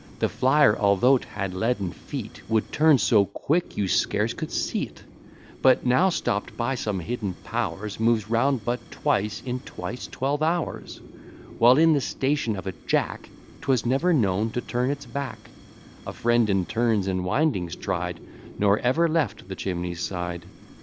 The flyer, altho't had leaden feet, Would turn so quick you scarce could see't; But, now stopt by some hidden powers, Moves round but twice in twice twelve hours, While in the station of a jack, 'Twas never known to turn its back, A friend in turns and windings tried, Nor ever left the chimney's side.